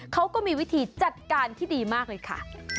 เขาก็มีวิธีจัดการที่ดีมากเลยค่ะ